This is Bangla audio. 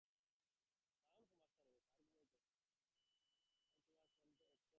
এখন তোমার কন্ঠে একটা নোট ধরো।